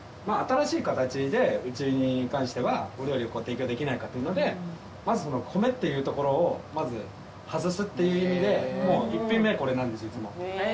まぁ新しい形でうちに関してはお料理をご提供できないかというのでまずその米っていうところを外すっていう意味で一品目はこれなんですいつも。